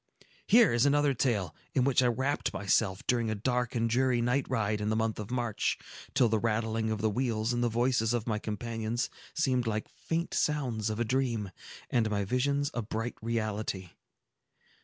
Here is another tale, in which I wrapt myself during a dark and dreary night ride in the month of March, till the rattling of the wheels and the voices of my companions seemed like faint sounds of a dream, and my visions a bright reality.